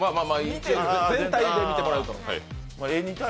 全体で見てもらうと。